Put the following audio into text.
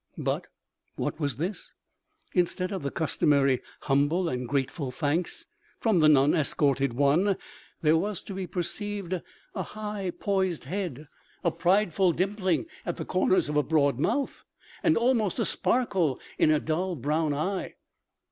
But what was this? Instead of the customary humble and grateful thanks from the non escorted one there was to be perceived a high poised head, a prideful dimpling at the corners of a broad mouth, and almost a sparkle in a dull brown eye.